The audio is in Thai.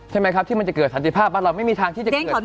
ใช่ไหมครับที่มันจะเกิดสันติภาพบ้านเราไม่มีทางที่จะเกิดขึ้น